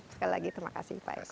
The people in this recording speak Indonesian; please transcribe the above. sekali lagi terima kasih pak eko